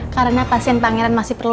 karena pasien pangeran masih perlu